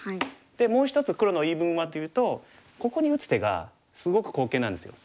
でもう一つ黒の言い分はというとここに打つ手がすごく好形なんですよ。